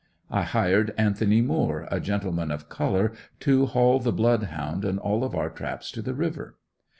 I hired Anthony Moore, a gentleman of color to haul the Blood Hound and all of our traps to the river.